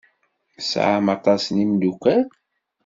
Tesɛam aṭas n yimeddukal?